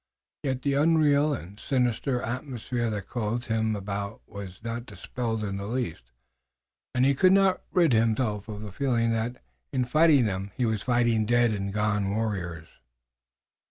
Yet the unreal and sinister atmosphere that clothed him about was not dispelled in the least, and he could not rid himself of the feeling that in fighting them he was fighting dead and gone warriors.